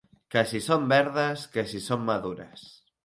Que si són verdes, que si són madures.